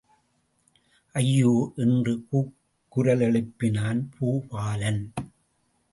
ஐயோ! என்று கூக்குரலெழுப்பினான் பூபாலன்.